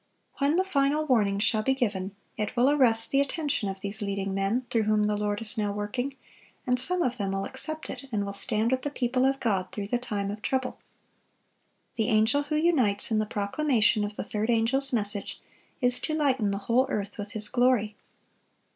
When the final warning shall be given, it will arrest the attention of these leading men through whom the Lord is now working, and some of them will accept it, and will stand with the people of God through the time of trouble. The angel who unites in the proclamation of the third angel's message, is to lighten the whole earth with his glory.